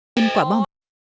trên quả bom